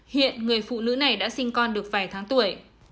hiện người phụ nữ này đã sinh con được vài tháng tuổi